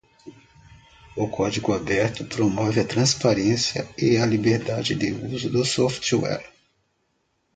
O código aberto promove a transparência e a liberdade de uso do software.